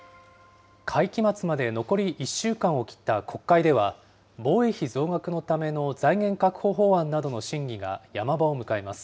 会期末まで残り１週間を切った国会では、防衛費増額のための財源確保法案などの審議がヤマ場を迎えます。